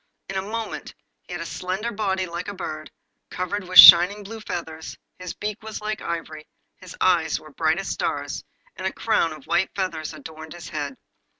In a moment he had a slender body like a bird, covered with shining blue feathers, his beak was like ivory, his eyes were bright as stars, and a crown of white feathers adorned his head.